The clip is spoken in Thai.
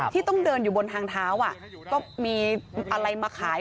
ที่ต้องเดินอยู่บนทางเท้าก็มีอะไรมาขาย